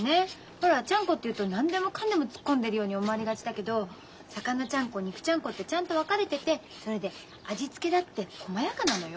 ほらちゃんこっていうと何でもかんでも突っ込んでるように思われがちだけど魚ちゃんこ肉ちゃんこってちゃんと分かれててそれで味付けだってこまやかなのよ。